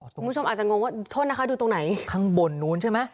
คุณผู้ชมอาจจะงงว่าโทษนะคะดูตรงไหนข้างบนนู้นใช่ไหม